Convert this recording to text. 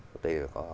có thể là có